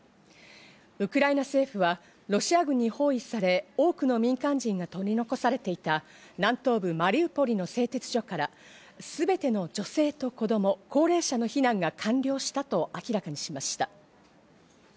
ウクライナ政府はロシア軍に包囲され多くの民間人が取り残されていた南東部マリウポリの製鉄所からすべての女性と子供、高齢者の避難が完了したと明らかにしました。